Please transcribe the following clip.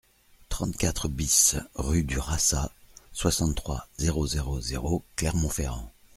trente-quatre BIS rue du Rassat, soixante-trois, zéro zéro zéro, Clermont-Ferrand